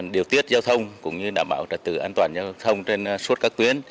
điều tiết giao thông cũng như đảm bảo trật tự an toàn giao thông trên suốt các tuyến